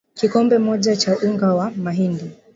kikombe moja cha unga wa mahindi